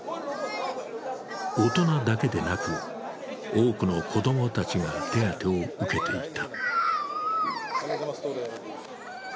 大人だけでなく、多くの子供たちが手当を受けていた。